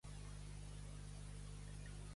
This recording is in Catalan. Molts sants curen.